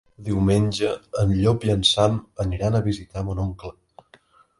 Diumenge en Llop i en Sam aniran a visitar mon oncle.